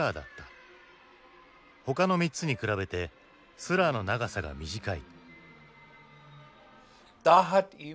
他の３つに比べてスラーの長さが短い。